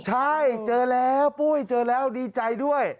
ใช่เจอแล้วปุ้ยเจอแล้วดีใจด้วย